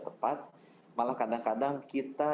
tepat malah kadang kadang kita